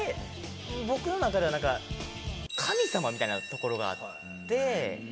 僕の中ではなんか神様みたいなところがあって。